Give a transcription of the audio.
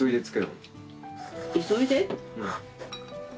急いで？